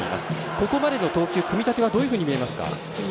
ここまでの投球、組み立てはどういうふうに見ますか？